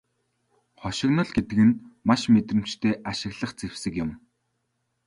Хошигнол гэдэг нь маш мэдрэмжтэй ашиглах зэвсэг юм.